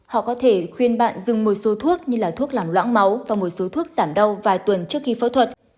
họ có thể khuyên bạn dừng một số thuốc như là thuốc làm loãng máu và một số thuốc giảm đau vài tuần trước khi phẫu thuật